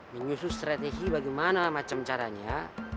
menyusun strategi bagaimana macam caranya